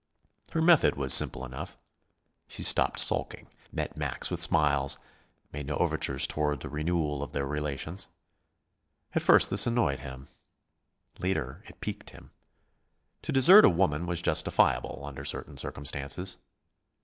Her method was simple enough. She stopped sulking, met Max with smiles, made no overtures toward a renewal of their relations. At first this annoyed him. Later it piqued him. To desert a woman was justifiable, under certain circumstances.